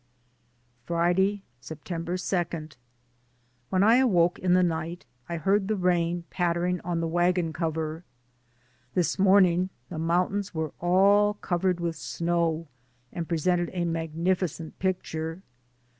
Friday, September 2. When I awoke in the night I heard the rain pattering on the wagon cover. This morning the mountains were all covered DAYS ON THE ROAD. 257 with snow, and presented a magnificent pic ture.